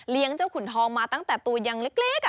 เจ้าขุนทองมาตั้งแต่ตัวยังเล็ก